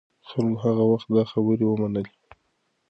خلکو هغه وخت دا خبرې ومنلې.